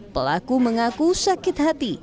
pelaku mengaku sakit hati